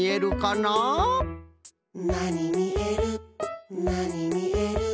「なにみえるなにみえる」